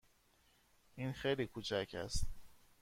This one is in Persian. این خیلی کوچک است.